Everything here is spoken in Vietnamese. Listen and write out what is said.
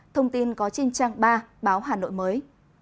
thông tin có trên trang ba báo hà nội mới